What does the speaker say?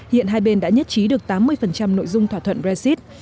hiện hai bên đã nhất trí được tám mươi nội dung thỏa thuận brexit